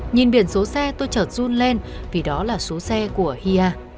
nhìn biển số xe tôi chở jun lên vì đó là số xe của hy a